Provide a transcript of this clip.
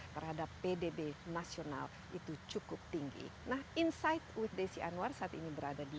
terhadap pdb nasional itu cukup tinggi nah insight with desi anwar saat ini berada di